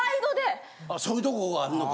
そういうとこがあんのか。